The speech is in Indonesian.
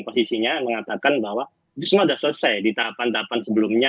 posisinya mengatakan bahwa itu semua sudah selesai di tahapan tahapan sebelumnya